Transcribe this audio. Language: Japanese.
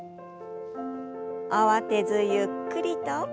慌てずゆっくりと。